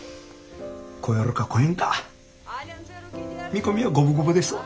超えるか超えんか見込みは五分五分ですわ。